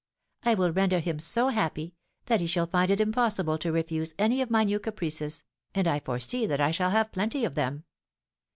I will render him so happy, that he shall find it impossible to refuse any of my new caprices, and I foresee that I shall have plenty of them.